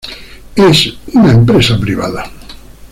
Es una empresa privada.